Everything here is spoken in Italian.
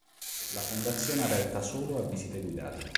La fondazione è aperta solo a visite guidate.